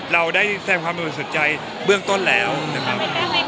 เราได้แสดงความบริสุทธิ์ใจเบื้องต้นแล้วนะครับ